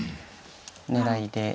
狙いで。